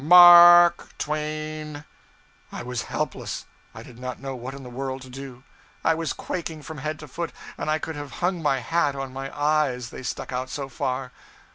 _Mark _twain!' I was helpless. I did not know what in the world to do. I was quaking from head to foot, and I could have hung my hat on my eyes, they stuck out so far.